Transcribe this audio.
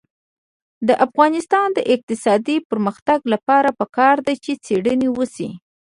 د افغانستان د اقتصادي پرمختګ لپاره پکار ده چې څېړنې وشي.